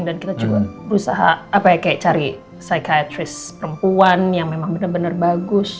dan kita juga berusaha cari psikiateris perempuan yang memang benar benar bagus